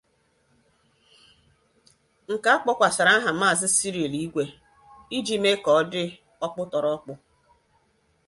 nke a kpọkwàsàrà aha Maazị Cyril Igwe iji mee ka ọ dị ọkpụtọrọkpụ